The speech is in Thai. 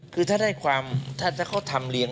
คือถ้าได้ความถ้าเขาทำเรียน